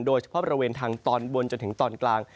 โดยเฉพาะบริเวณทางตอนบนจนถึงตอนกลาง